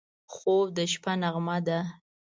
خوب د شپه نغمه ده